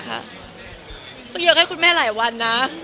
ก็ยอมให้คุณแม่หลายวันน้า